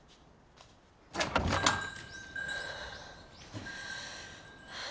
はあはあ。